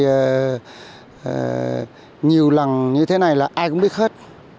và nhiều lần như thế này là ai cũng biết hết